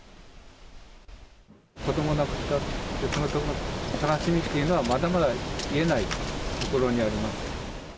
子どもを亡くした悲しみっていうのは、まだまだ癒えないところにあります。